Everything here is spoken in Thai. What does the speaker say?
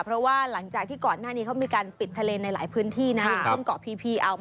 เพราะว่าหลังจากที่ก่อนหน้านี้เขามีการปิดทะเลในหลายพื้นที่นะ